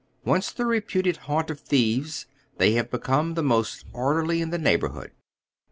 Once the reputed haunt of thieves, they have become the most orderly in the neighborhood.